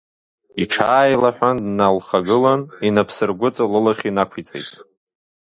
Иҽааилаҳәан дналхагылан, инапсаргәыҵа лылахь инақәиҵеит.